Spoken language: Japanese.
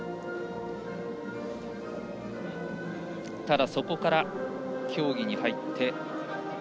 ただ、そこから競技に入って。